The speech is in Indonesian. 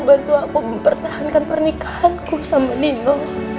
bantu aku mempertahankan pernikahan ku sama nino